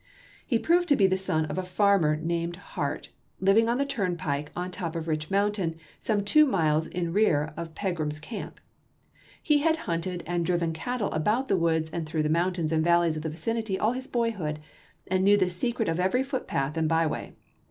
He proved to be the son of a farmer named Hart, lining on the turnpike on top of Rich Mountain, some two miles in rear of Pegram's camp. He had hunted and driven cattle about the woods and through the mountains and valleys of the vicinity all his boyhood, and knew the secret of every footpath and byway.